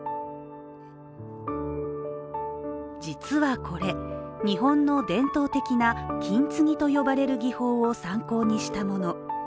実はこれ、日本の伝統的な金継ぎと呼ばれる技法を参考にしたもの。